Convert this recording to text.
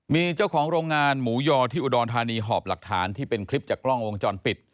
มีเจ้าของโรงงานหมูยอที่อุดรธานีหอบหลักฐานที่เป็นคลิปจากกล้องวงจรปิด